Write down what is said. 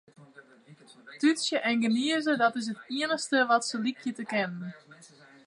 Tútsje en gnize, dat is it iennichste dat se lykje te kinnen.